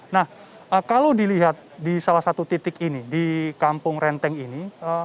nah kalau dilihat di salah satu titik ini di kampung renteng ini